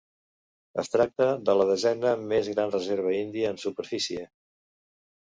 Es tracta de la desena més gran reserva índia en superfície.